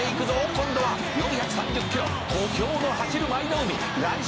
「今度は４３０ｋｇ小兵の走る舞の海ライス